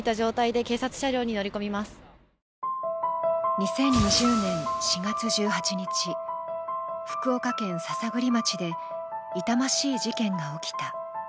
２０２０年４月１８日、福岡県篠栗町で痛ましい事件が起きた。